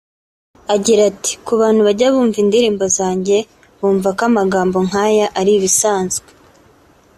Agira ati “Ku bantu bajya bumva indirimbo zanjye bumva ko amagambo nk’aya ari ibisanzwe